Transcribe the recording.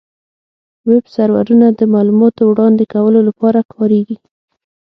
ویب سرورونه د معلوماتو وړاندې کولو لپاره کارېږي.